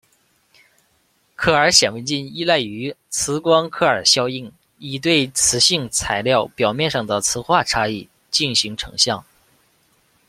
克尔显微镜依赖于磁光克尔效应以对磁性材料表面上的磁化差异进行成像。